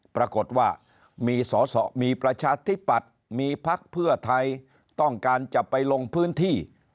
ปรากฏว่ามีสอสอมีประชาธิปัตย์มีพักเพื่อไทยต้องการจะไปลงพื้นที่